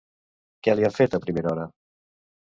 Què li han fet a primera hora?